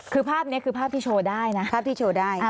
คือภาพนี้คือภาพที่โชว์ได้นะภาพที่โชว์ได้